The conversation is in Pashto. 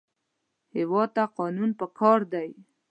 هېواد ته قانون پکار دی